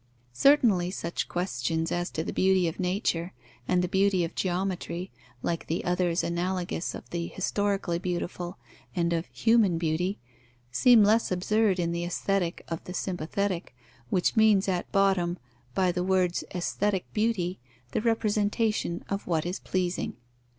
Certainly, such questions as to the beauty of nature and the beauty of geometry, like the others analogous of the historically beautiful and of human beauty, seem less absurd in the Aesthetic of the sympathetic, which means, at bottom, by the words "aesthetic beauty" the representation of what is pleasing.